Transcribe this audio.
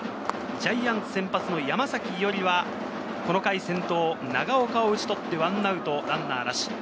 ジャイアンツ先発の山崎伊織は、この回、先頭・長岡を打ち取って１アウトランナーなし。